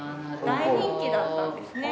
大人気だったんですね。